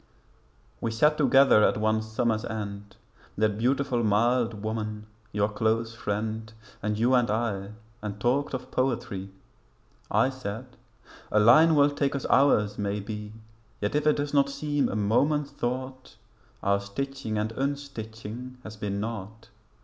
We sat together at one summer's end That beautiful mild woman your close friend And you and I, and talked of poetry. I said 'a line will take us hours maybe, Yet if it does not seem a moment's thought Our stitching and unstitching has been naught.